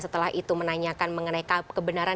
setelah itu menanyakan mengenai kebenaran